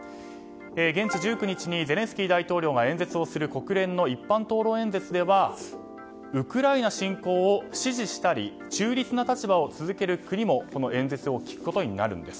現地１９日にゼレンスキー大統領が演説をする国連の一般討論演説ではウクライナ侵攻を支持したり中立な立場を続ける国もこの演説を聞くことになるんです。